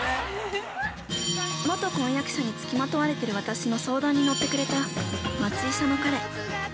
◆元婚約者につきまとわれている私の相談に乗ってくれた町医者の彼。